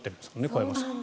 小山さん。